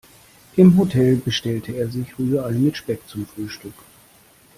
Im Hotel bestellte er sich Rührei mit Speck zum Frühstück.